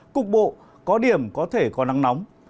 cục bộ có điểm có thể có nắng nóng